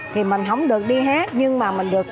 thì mình không được đi hát nhưng mà mình được